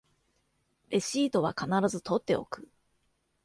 レシートは必ず取っておく